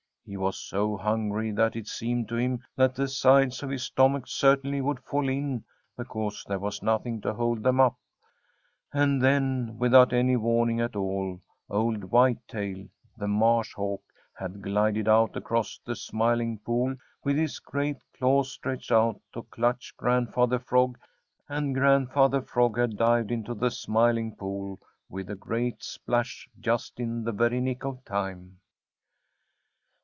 He was so hungry that it seemed to him that the sides of his stomach certainly would fall in because there was nothing to hold them up, and then, without any warning at all, old Whitetail the Marsh Hawk had glided out across the Smiling Pool with his great claws stretched out to clutch Grandfather Frog, and Grandfather Frog had dived into the Smiling Pool with a great splash just in the very nick of time.